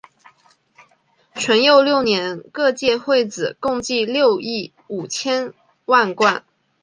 淳佑六年各界会子共计六亿五千万贯。